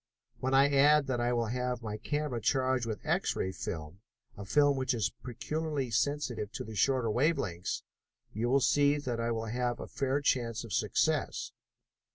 When I add that I will have my camera charged with X ray film, a film which is peculiarly sensitive to the shorter wave lengths, you will see that I will have a fair chance of success."